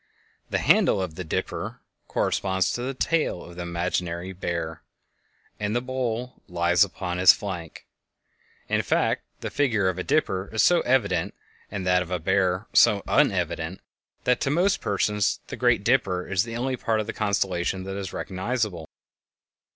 The handle of the "Dipper" corresponds to the tail of the imaginary "Bear," and the bowl lies upon his flank. In fact, the figure of a dipper is so evident and that of a bear so unevident, that to most persons the "Great Dipper" is the only part of the constellation that is recognizable.